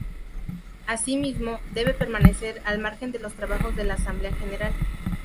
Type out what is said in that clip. Así mismo, debe permanecer al margen de los trabajos de la Asamblea General.